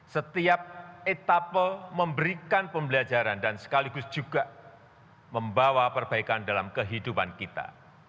setiap etapa memberikan pembelajaran dan sekaligus juga membawa perbaikan dalam kehidupan kita